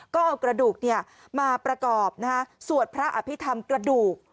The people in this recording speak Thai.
ก็เอากระดูกมาประกอบสวดพระอภิษฐรรมกระดูก